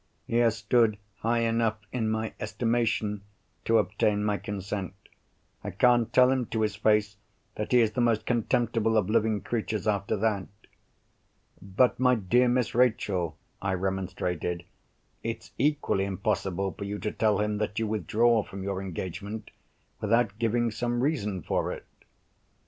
He has stood high enough in my estimation to obtain my consent. I can't tell him to his face that he is the most contemptible of living creatures, after that!" "But, my dear Miss Rachel," I remonstrated, "it's equally impossible for you to tell him that you withdraw from your engagement without giving some reason for it."